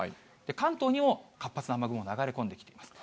関東にも活発な雨雲が流れ込んできています。